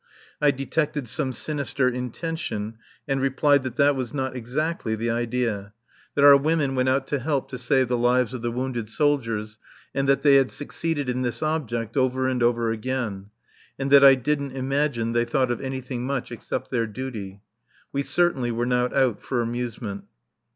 I detected some sinister intention, and replied that that was not exactly the idea; that our women went out to help to save the lives of the wounded soldiers, and that they had succeeded in this object over and over again; and that I didn't imagine they thought of anything much except their duty. We certainly were not out for amusement.